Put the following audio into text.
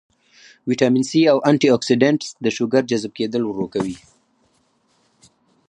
وټامن سي او انټي اکسيډنټس د شوګر جذب کېدل ورو کوي